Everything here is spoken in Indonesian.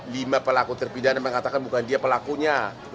lima pelaku terpidana mengatakan bukan dia pelakunya